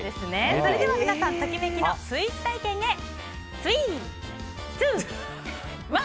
それでは皆さんときめきのスイーツ体験へスイー、ツー、ワン！